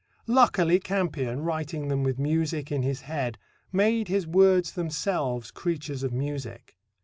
Luckily, Campion, writing them with music in his head, made his words themselves creatures of music.